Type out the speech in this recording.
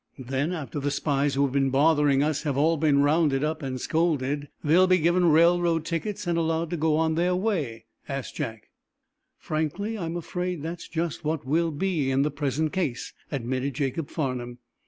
"Then, after the spies who have been bothering us have all been rounded up and scolded, they'll be given railroad tickets and allowed go on their way?" asked Jack. "Frankly, I'm afraid that's just what will be in the present case," admitted Jacob Farnum.